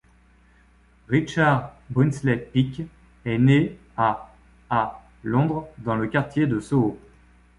Richard Brinsley Peake est né à à Londres, dans le quartier de Soho.